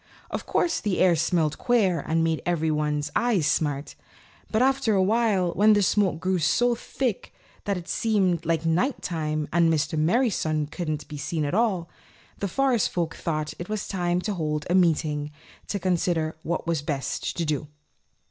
Of course the air smelled queer and made one's eyes smart. But after a while when the smoke grew so thick that it seemed like night time and Mr. Merry Sun couldn't be seen at all, the Forest Folk thought it time to hold a meeting to consider what was best to do.